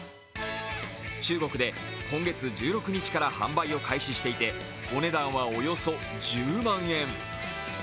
中国で今月１６日から販売を開始していてお値段はおよそ１０万円。